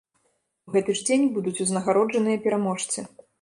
У гэты ж дзень будуць узнагароджаныя пераможцы.